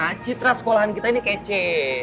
mitra sekolahan kita ini kece